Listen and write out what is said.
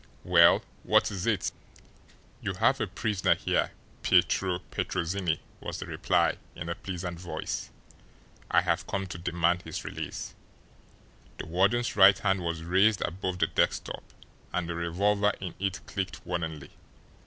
"Well, what is it?" "You have a prisoner here, Pietro Petrozinni," was the reply, in a pleasant voice. "I have come to demand his release." The warden's right hand was raised above the desk top, and the revolver in it clicked warningly.